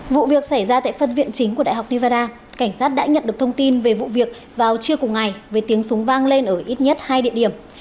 vụ việc xảy ra tại phân viện chính của đại học nevada cảnh sát đã nhận được thông tin về vụ việc vào trưa cùng ngày với tiếng súng vang lên ở ít nhất hai địa điểm